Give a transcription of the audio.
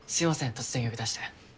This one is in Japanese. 突然呼び出して。